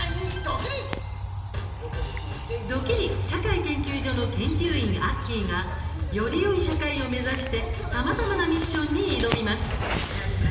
ドキリ社会研究所の研究員アッキーがよりよい社会を目指してさまざまなミッションに挑みます。